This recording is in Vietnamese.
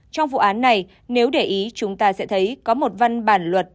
trong vụ án này nếu để ý chúng ta sẽ thấy có một văn bản luật